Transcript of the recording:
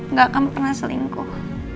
nggak kamu pernah selingkuh